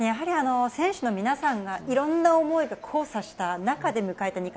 選手の皆さんがいろんな思いで、交差した中で迎えた